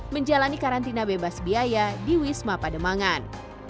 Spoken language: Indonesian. menjalani karantina bebas biaya di wisma pademangan